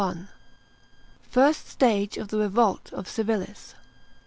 — FIRST STAGE OF THE REVOLT OF CIVILIS.